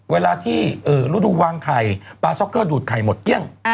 เวลาที่ฤดูวางไข่ปลาซ็อกเกอร์ดูดไข่หมดเกลี้ยง